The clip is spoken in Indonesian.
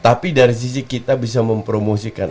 tapi dari sisi kita bisa mempromosikan